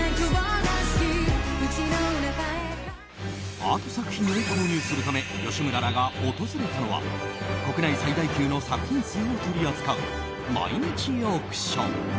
アート作品を購入するため吉村らが訪れたのは国内最大級の作品数を取り扱う毎日オークション。